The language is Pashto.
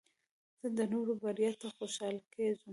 زه د نورو بریا ته خوشحاله کېږم.